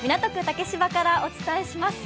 竹芝からお伝えします。